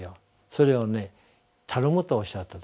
それをね「頼む」とおっしゃった。